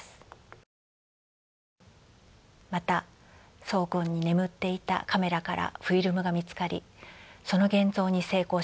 また倉庫に眠っていたカメラからフィルムが見つかりその現像に成功しました。